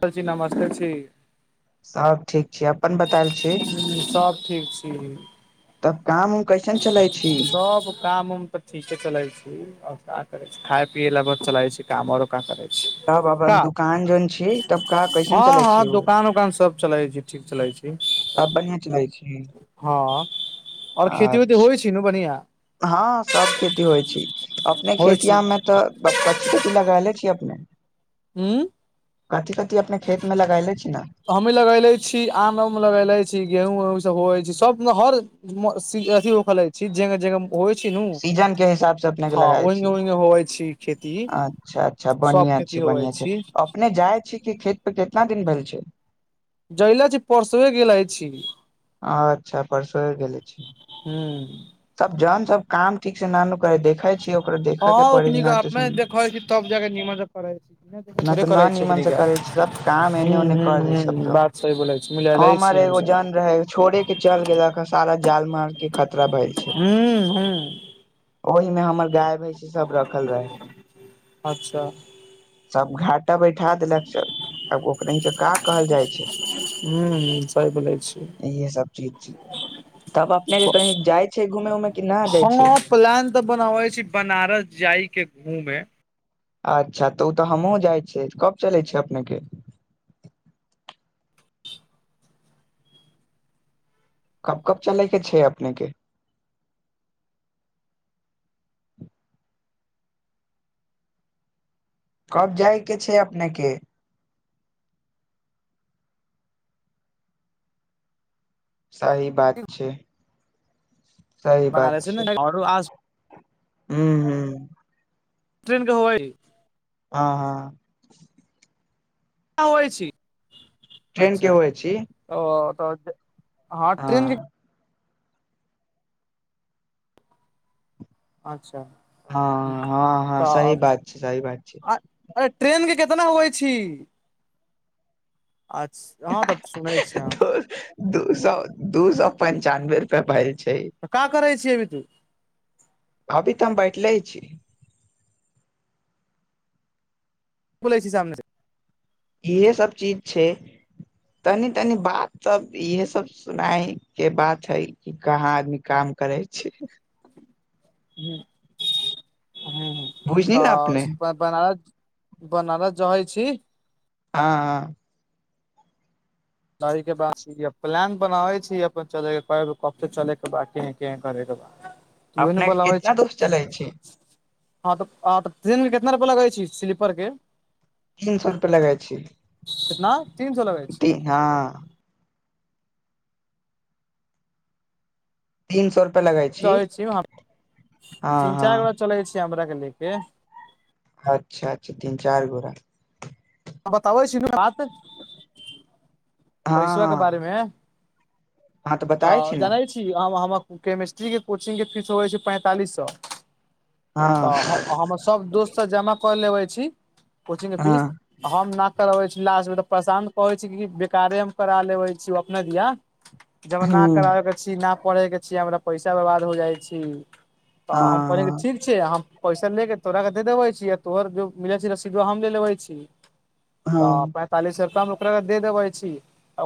sir जी नमस्ते छी सभ सब ठीक छी तब काम उम कैसन चलै छी सब काम उम तऽ ठीके चले छी और करे छै खाय पिय ला ब चले छै काम और क करे छै तब अपन का दुकान जौन छी तब का कैसन हँ चलै हँ छी ओ दोकान उकान सब चलै छै ठीक चलै छै छी आ बढ़िएँ चलै छी हँ आओर खेती उती अचछा होइ छी नु बढ़िया हँ सब खेती होइ छै होइ खेती छी आम मे तऽ कचछी की लगा ले छीयै अपने ह्म कथी कथी अपने खेतमे लगेले छियै हमि लगेले छी आम मे लगेले छी गेहूँ ओहूँ सब होइ छै सब हर अथ होले छै जगह जह होइ छी नू सीजन के हिसाब से अपने के हँ लगाय ओहिंगे छी ओंगे होवइ छी खेती अच्छा अच्छा सब बढ़िआँ खेती छै होवै बढ़िआँ छै छी अपने जाइ छी खेत पर केतना दिन भइल छै जयले छी परसुए गेलै छी अच्छा परसो गेलय छी हूँ तब जान सब काम ठीक से नानू करै देखे छै ओकरा देखय के हँ परी ओकनिक न तऽ अपने देखै छी तब जाके निमन से करै छी बिना देखे थोड़े न करै छी नीमन ओकनी से के करै सब काम एने हूँ ओने कर दी हूँ सब हूँ सब बात सही बोलै छी हँ मिलेले हमर छी एगो जन हमसब रहै छोड़े के चल गेला ह सारा जाल मार के ख हूं हूं ओहिमे हमर गाय भैंसी सब रखल रहै अच्छा सब घाटाे बैठा देलक सब आब ओकरहि के का कहल जाइ छै हूं सही बोलै छी यह सब चीज छै तब अपने के कही जाइ छै घूमे उमे कि न जाइ छै हँ प्लान तऽ बनाबै छी बनारस जाइ के घूमे अच्छा तऽ ओ तऽ हमहूँ जाइ छियै कब चलै छिय अपनेके [inaudible] कब कब चलइ के छै अपने के कब जाइके छै अपने के सही बात छै सही बात बनारसे ने छै आरो आस हुं हुं [unintelligible] हँ हँ अबैछी ट्रेन के अच्छा होइ छी ओ तऽ हँ ट्रेन अच्छा हँ हँ हँ सही तऽ बात छै सही बात छै अरे ट्रेन के केितना होय छी अच्छा हँ तऽ सुनै छियै हम द तऽ दू सए दू सए पञ्चानबे रुपए भाई का करै छियै अभी तू छैअभी तऽ हम ब लई छै बोलै छै सामने से इहे सब चीज छै तनी तनी बात सब इहे सब सुनाय के बात है कि कहाँ आदमी काम करै छी ह ह ह बुझली ने अपने तऽ बनार बनारस जहै छी हँ हँ के बात प्लान बनाबे छी अपन चलेके कबे चलेके ब कें करेके तू ए ने अपने के बोलाबै कितना छै दोस्त चले छै हँ तऽ तऽ ट्रेनमे कितना रुपैआ लगै छी स्लीपरके तीन सौ रुपआ लगइ छी कितना तीन सौ लगै छी तीन हँ तीन सौ लगे छी ए छीयै हँ तीन हँ चारि गो चलै छी हमराके लेके अच्छा अच्छा तीन चार घोड़ा बताबै छी न बात पैसबा के हँ बारेमे हँ हँ बताबै तऽ ने जनै छी हम हम केमिस्ट्रीके कोचिंगके फीस होइ छै पैंतालिस सौ हँ तऽ हम सभ दोस्तसँ जमा कऽ लेबै छी कोचिंगके फीस हँ हम ना करबै छी लास्टमे तऽ प्रशान्त कहै छी कार मे करा लेे छी अपने दिया ज न हूँ कराबे छी पढ़ैके छीयै हमरा पैसा बर्बाद हो जाइ छी तऽ हम पढ़ैके हँ ठीक छै हम पैसा ले के तोहरा के दे देबे छी य तोहर जो मिलय छी रसीदबा हम ले लेबै छी तऽ हँ पैंतालिस रुपैआमे ओकरा ल दे देबे छी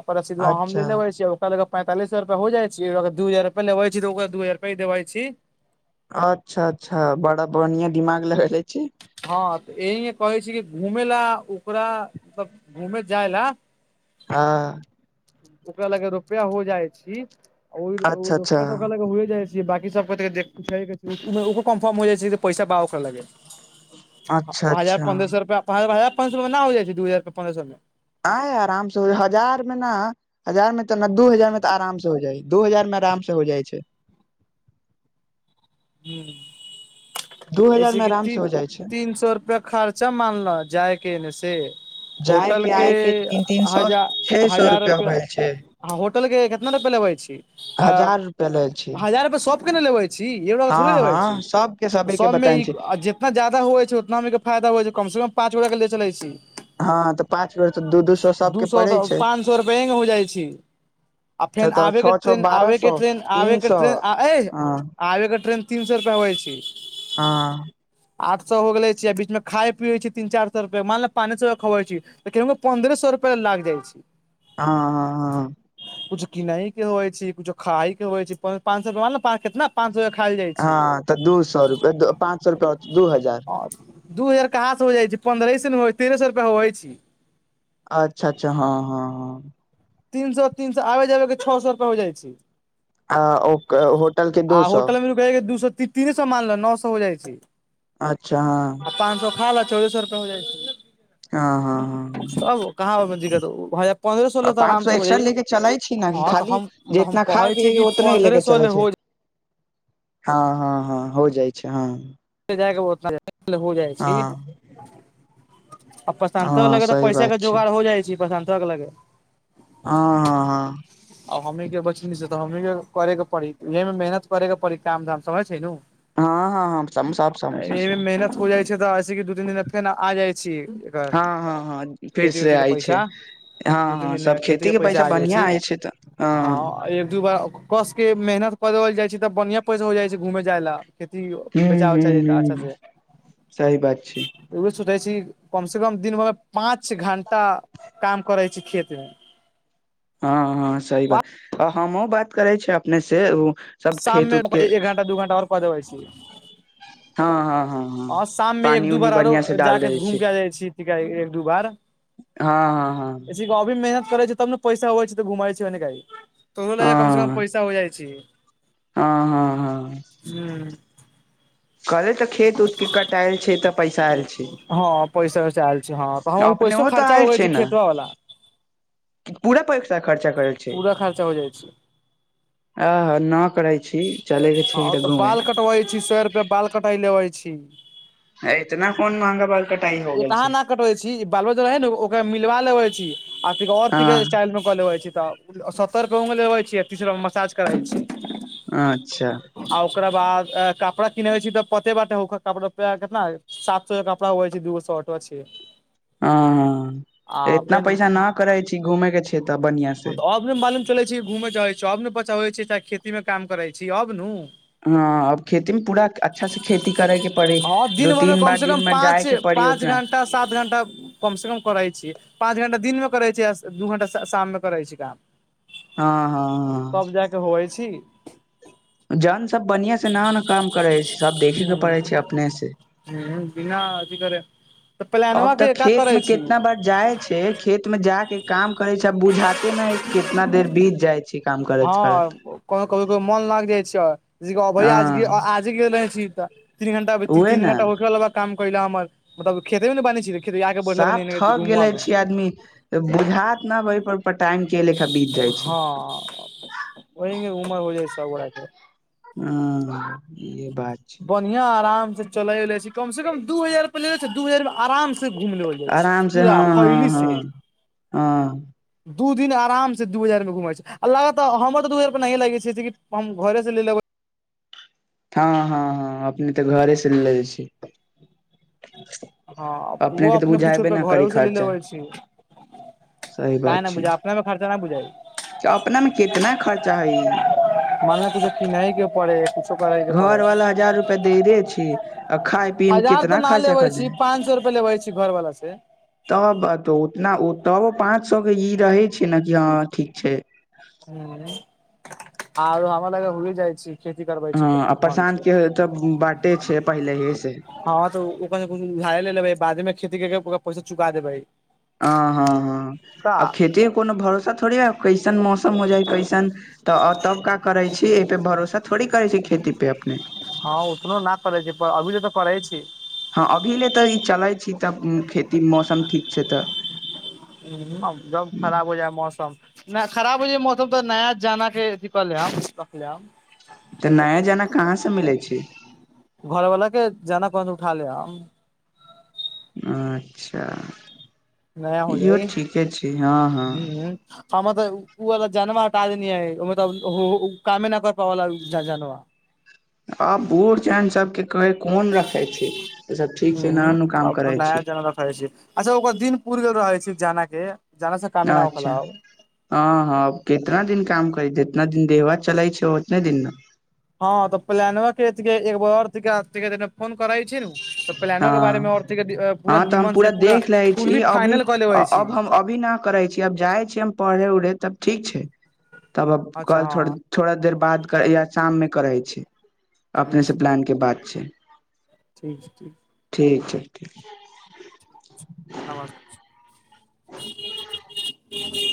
ओकर रसीदबा हम ले अच्छा लेबै छी ओकरा ल पैंतालसहजार रुपए हो जाइ छै अगर दू हजार रुप ले छै त ओकरा दू हजारुप ही देवे छी अच्छा अच्छा बड़ा बढ़िआं दिमाग लगैले छी हँ तऽ यह कहै छी कि घूमे ला ओकरासब घूमे जाय ला हँ ओकरा लागै रुपआ हो जाइ छी अच्छा अच्छा रुपा तऽ ओकरा लग होए जाइ छै बाकि सब देखै कन्फर्म हो जाइ छै पैसा बा ओकरा लगे अच्छा हजार अच्छा पन्द्रह सौ रुपैया हजार पन्द्रह सौ मे नहि हो जाइ छै दू हजार रुपैया पन्द्रह सौ मे आई आराम से हो हजार में न हजार मे तऽ न दू हजार में तऽ आराम से हो जाइ दू हजार में आराम से हो जाइ छै दू हुं हजार ऐसे मे कि आराम से तीन हो जाइ छै तीन सौ रुपआ खर्चा मान'ल जायके इने से जाय होटल के आय तीन तीन सौ हजा छे सौ हजार रुपआ रुपैआ भेल छै अ होटल के कितना रुपैया लेबै छी अआ हजार रुपआ लेल छी हजार रुपै सब के ने लेबै छी सु हँ देबै छी हँ सबके सबे के सब में बताय ई छी जेतना जादा होइ छै उतना में के फायदा होइ छै कमसँ कम पाँच गोटाके ले चलै छी हँ तऽ पाँच बेर तऽ दू सए दू सबके सौ पड़ै तऽ छै पाँच सए रुपया इंगेने हो जाइ छै आ फेन छओ आबे के छओ छओ ट्रेन बारह आबे के सए ट्रेन आबे तीन के सए ट्रेन आ एह हँ आबे के ट्रेन तीन सै रुपैया होइ छी हं आठ सौ हो गेले छै आ बीच मे खाय पियै छि तीन चार सौ रुपया मानल पान सए खबइ छि त केंहू ग पन्द्रे सौ रुपया लाग जाइ छै हँहँ हँ कुछ किनै के होइ छै कुछ खााय के होइ छै पां पाँच सए मानल केितना पाँच खाएल जाइ छै सौ रुपया पाँच सौ रुपया अ दू हजार दू हजार कहाँ से हो जाइ छै पंन्द्रह स ने हो छै तेरह सए रुपया होइ छै अच्छा अच्छा हँ हँ हँ तीन सौ तीन सौ आबै जाबैके छ सौ रुपया हो जाइ छै आ ओ होटल के दू आ सए होटल में रुकय के दू सौ तीने सौ मानल'नौ सौ हो जाइ छै अच्छा हँ हाल ला चौदह सौ रुपया हो जाइ हँ हँ हँ तब [unintelligible] आ तऽ पाँच आराम सै से हो एक्स्ट्रा जाइ ले के चलै छी न हँ तऽ खाली हम तऽ हम जितना खाइ कहै छी कि पियेगी उतना ले पन्द्रह के सए चले छै हो हँ हँ हँ हो जाइ छै हँ जा ओतना जा हो जाइ छै हँ आ पसानतवा हँ लगे तऽ सही पैसाक बात के छै जोगार हो जाइ छै प्रशानतवा क लगे हँ हँ आ हमी के बचनी से तऽ हमी के करे के पड़ी इह मेहनत करेके पड़ी काम धाम समझ छै नु हँ हँ हँ हम सब समझै एहि छै में मेहनत हो जाइ छै तऽ ऐसे कि दू तीन दिनमे फेन आ जाइ छी एकर हँ हँ हँ फिर खेती से उती के आइ छै पैसा दू हँ तीन हँ दिन सब खेती के पैसा आ जाइ बढ़िया छी आय छै तऽ हँ एक दू बार कस के मेहनत करल जाइ छै तऽ बढ़ियां पैसा हो जाइ छै घूमे जाय ला खेती हूँ बचा हूँ वचा जे अच्छा हूँ से सही बात छै सुते छी कम से कम दिन भर पाँच घंटा काम करै छी खेत में हँ हँ सही बात हमहूंँ बात करे छियै अपने से ओ सब खेत शाममे उत के एक घण्टा दू घण्टा आओर कऽ देवय छिये हँ हँ हँ शाम मे एक पानी दू उनी बार आरो बढ़िया से डाल जाके दै घूम छै के आ जाइ छी एक दू बार हँ हँ हँ ऐसे अभी मेहनत करै छै तव ने पैसा अवय छै तऽ घुमाय छिये ओने जाय तहू लेल कम से कम हँ हँ पैसा हो जाइ छै हँ हँ हँ हूँ कहले तऽ खेत उत के कटायल छै तऽ पैसा आयल छै हँ पैसा वैसा आयल छै हँ तऽ हम पैसो अपनेहो तऽ खर्चा हो आयल गेल छै ने खेतबा वाला पूरा पैसा खर्चा करैल छै पूरा खर्चा हो जाइ छै आ ह न करै छी चले के छै हँ तऽ घूमे बाल कटबै छी सौ रुपये बाल कटाइ लेबै छी इतना कोन महंगा बाल कटाई हो गेल एतहा छै ना कटबै छी बालो रहै ने ओ ओकरा मी लिवा लेबै छी आर फिगर फी क हँ स्टाइलमे कऽ लेबे छी तऽ [unintelligible] सत्तर के ओ मे लेबे छियै तीस रूपया मे मसाज कराय छी अच्छा ए कपड़ा किनेे छि तऽ पते बाटे होख कपड़ा पे केतना अबैय सात सौ के कपड़ा हो छै दूगो सट होय छै हँ हं आ इतना फेन पैसा न करै छी घूमय के छैय तऽ बढ़ियां से अब ने मालूम चलै छी घूमे चलै छी अब ने बचबै छी चाहे खेती मे काम करै छी अब नु हँ अब खेती मे पूरा अच्छा से खेती करै के पड़ी हँ दू दिन भर मे तीन कम बार से कम दिन मे जाय पाँच के पड़ी पाँच ओकरा घंटा सात घंटा कम से कम करै छीये पाँच घंटा दिनमे करै छी आ दू घण्टा शाम मे करै छी काम हँ हँ तब जाकऽ होइ छी जन सभ बढ़िआँ से ना न काम करै छै सभ देखैके पड़ै छै अपने से बिना अथी करे तऽ प्लानवा अब तऽ के का करै खेतमे छी कितना बार जाइ छै खेतमे जा के काम करे छै आब बुझाते न है कितना देर बीत जाइ छै काम करत करत हँ कभी कभो मोन लागि जाइ छै ज अभ हँ आजे गेल रहै छी तऽ तीन घंटा उहे तीन ने घंटा होइला काम करै हमर मतलब खेतमे ने बानै छै साफ थक गेले छीय आदमी बुझात न ओहिप पटांग हँ ओह उमर हो जाइ सब गोरा के हँ इहे बात छै चलै ऊले छै कम से कम दू हजारे छै दू हजार आराम घुम लेबल जाइ आराम छै से पूरा हँ फैली हँ से हँ हँ दू दिन आराम सँ दू हजार मे घुमै छै आ लगातार हमर तऽ दू हजार पर नहिए लगै छैि हम घरेसँ ले लेबै हँ हँ हँ अपने तऽ घरे से लए छी हँ ओ के तऽ अपने बुझाबे पुछुुप न घरे करी उ से लेनेे खर्चा होै छी सही काहे बात न छै बुझाइ अपने मे खर्चा न बुझाइ त अपना मे कितना खर्चा है मान किछु कन ह के पे किछो करैके पे घर वाला हजार रुपआ देरे छी [inaudible] आ खाय पियए मे हजार तऽ कितना न खर्चा लेबै करले छी पाँंच सौ रुपया लेबै छी घरवाला से तब तऽ उतना तबो पाँच सौ के ई रहे छै ने कि हँ ठीक छै आर हमाम लगे हुए जाइ छै हँ आ प्रशांत के तऽ बाटे छै पहिले ही हँ तऽ ओकरा उधारे ले लेबै बादे मे खेती कर के ओकरा पैसा चुका देबै हँ हँ हँ का आब खेती के कोनो भरोसा थोड़ी ह कैसन मौसम हो जाइ कैसन तऽ तब का करै छी एहिपे भरोसा थोड़ी करै छै खेती पे अपने हँ उतनो न करै छै अभी जे तऽ करै छी हँ अभी ल तऽ ई चलै छी तऽ खेती मौसम ठीक छै तऽ हूँ जब खराब हो जाय मौसम नहि खराब होइ छै मौसम तऽ नया जाना के अथी कऽ लेब रख लेब तऽ नया जाना कहाँ सँ मिलै छै बन्द उठा ले अच्छा नया हो इहो जाइ ठीके छै हँ हँ हूँ हमर तऽ ओ ओला जानवा त टाज नहि ह ओ तऽ कमे नहि कर पला जानव आ बूट न सबके कह कोन रखे छी त सब ठीक छै हूँ न काम अब करै नया छी जनवा रखै छी ओकर दिन पूुर गेल रहै छै जाना के जाना से कामे न अच्छा होखेला अब हँ हँ कितना दिन काम करै छै इितना दिन देहबा चलाय छै ओतने दिनमे हँ तऽ प्लान व के एक बरिक द फोन करइ छ न तऽ प्लानोक के हँ बारेमे औरत पूरा हँ तऽ हम निमन से पूरा देख लै छी कूर्मी अभी फाइनल कऽ लेबै अ- छी अब हम अभी न करे छीय अब जाइ छीयै हम पढ़े उ तब ठीक छै तबब अच्छा कल हँ थोड़ा देर बाद कर य शाम मे करय छी अपनेसँ प्लानके बात छै ठीक छै ठीक छै ठीक छै नवाज